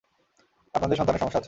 আপনাদের সন্তানের সমস্যা আছে।